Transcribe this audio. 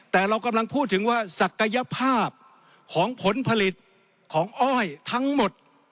แต่เรากำลังพูดถึงว่าศักยภาพของผลผลิตของอ้อยทั้งหมด